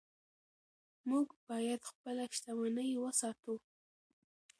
موږ باید خپله شتمني وساتو.